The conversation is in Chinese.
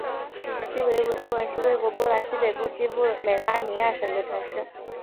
希维德温是位于波兰西北部西波美拉尼亚省的城市。